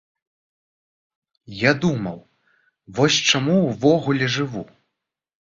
Я думаў, вось чаму ўвогуле жыву?